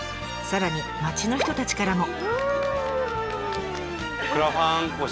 さらに町の人たちからも。